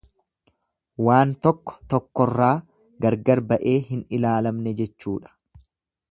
Waan tokko tokkorraa gargar ba'ee hin laalamne jechuudha.